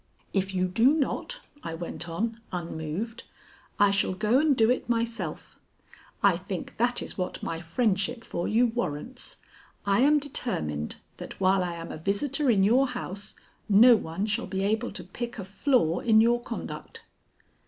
"If you do not," I went on, unmoved, "I shall go and do it myself. I think that is what my friendship for you warrants. I am determined that while I am a visitor in your house no one shall be able to pick a flaw in your conduct."